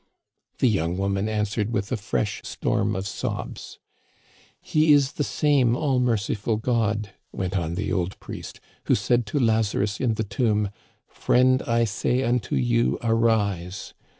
The young woman answered with a fresh storm of sobs. " He is the same all merciful God," went on the old priest, *' who said to Lazarus in the tomb, * Friend, I say unto you arise